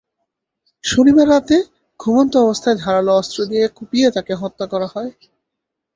শনিবার রাতে ঘুমন্ত অবস্থায় ধারালো অস্ত্র দিয়ে কুপিয়ে তাঁকে হত্যা করা হয়।